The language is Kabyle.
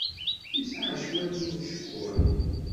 Yesɛa cwiṭ n ucekkuḥ.